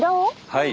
はい。